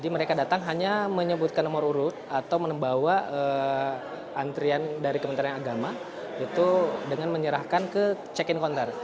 mereka datang hanya menyebutkan nomor urut atau membawa antrian dari kementerian agama itu dengan menyerahkan ke check in counter